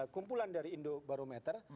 kumpulan dari indobarometer